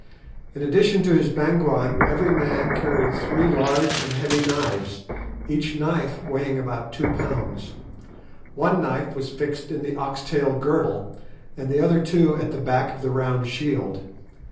In addition to his bangwan every man carried three large and heavy knives, each knife weighing about two pounds. One knife was fixed in the ox tail girdle, and the other two at the back of the round shield.